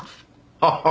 ハハハ。